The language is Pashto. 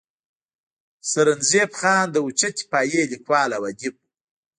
سرنزېب خان د اوچتې پائې ليکوال او اديب وو